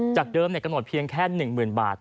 จากเดิมเนี่ยกระหนดเพียงแค่๑หมื่นบาท